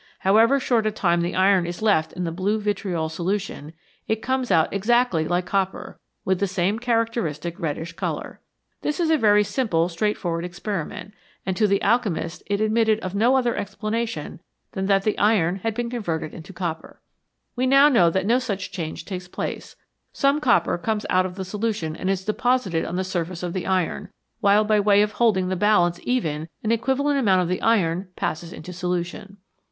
However short a time the iron is left in the blue vitriol solution, it comes out exactly like copper, with the same character istic reddish colour. This is a very simple straightforward experiment, and to the alchemist it admitted of no other explanation than that the iron had been converted into copper. We know now that no such change takes place : some copper comes out of the solution and is deposited on the surface of the iron, while by way of holding the balance even, an equivalent amount of the iron passes into solution.